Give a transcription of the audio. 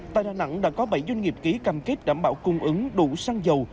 tại đà nẵng đã có bảy doanh nghiệp ký cam kết đảm bảo cung ứng đủ xăng dầu